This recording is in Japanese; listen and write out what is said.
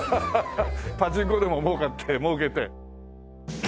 パチンコでも儲かって儲けて。